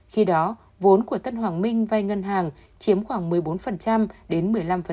khi đó vốn của tân hoàng minh vay ngân hàng chiếm khoảng một mươi bốn đến một mươi năm